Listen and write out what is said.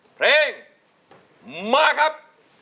เพลงมาครับ